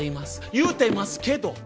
言うてますけど。